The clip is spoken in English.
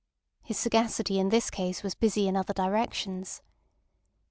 His sagacity in this case was busy in other directions.